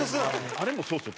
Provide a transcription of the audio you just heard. あれもそうですよ。